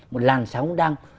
một làn sóng đang